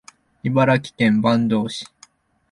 茨城県坂東市